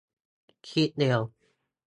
คิดเร็ว